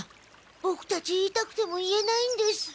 ボクたち言いたくても言えないんです。